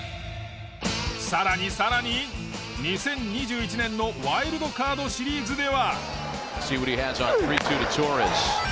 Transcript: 更に更に２０２１年のワイルドカードシリーズでは。